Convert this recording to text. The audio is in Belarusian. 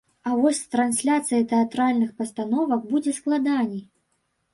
А вось з трансляцыяй тэатральных пастановак будзе складаней.